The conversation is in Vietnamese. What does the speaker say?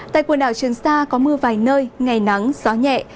tại quần đảo trường sa có mưa vài nơi ngày nắng gió nhẹ